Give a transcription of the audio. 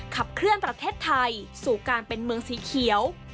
ขับเคลื่อนประเทศไทยสู่การเป็นเมืองสีเขียว